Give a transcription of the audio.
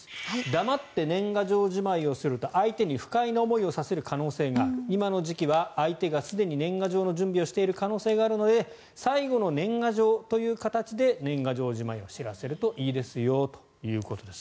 黙って年賀状じまいをすると相手に不快な思いをさせる可能性がある今の時期は相手がすでに年賀状の準備をしている可能性があるので最後の年賀状という形で年賀状じまいを知らせるといいですよということです。